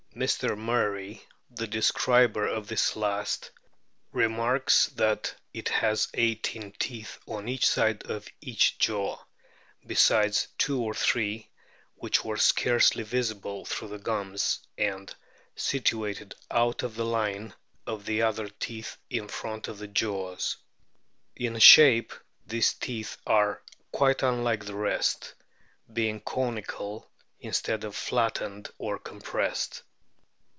Mr. Murray, the describer of this last, remarks that it has eighteen teeth on each side of each jaw, besides two or three "which were scarcely visible through the gums, and situated out of the line of the other teeth in front of the jaws. In shape these teeth are quite unlike the rest, being conical instead of flattened or compressed."